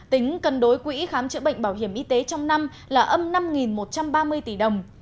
tính cân đối quỹ khám chữa bệnh bảo hiểm y tế trong năm là âm năm một trăm ba mươi tỷ đồng